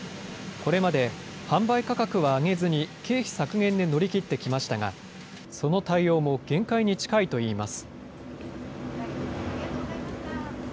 これまで販売価格は上げずに経費削減で乗り切ってきましたが、その対応も限界に近いといいます。